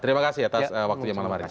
terima kasih atas waktunya malam hari ini